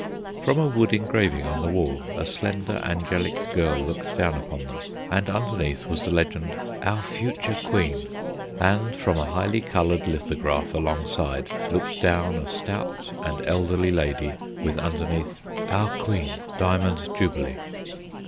From a wood engraving on the wall a slender, angelic girl looked down upon them, and underneath was the legend: "Our Future Queen." And from a highly coloured lithograph alongside looked down a stout and elderly lady, with underneath: "Our Queen—Diamond Jubilee."